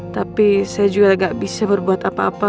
tapi saya juga gak bisa berbuat apa apa